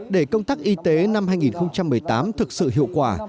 để công tác y tế năm hai nghìn một mươi tám thực sự hiệu quả